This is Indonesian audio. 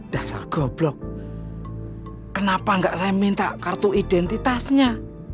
dasar goblok kenapa enggak saya minta kartu identitasnya